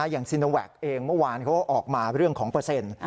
ซีโนแวคเองเมื่อวานเขาก็ออกมาเรื่องของเปอร์เซ็นต์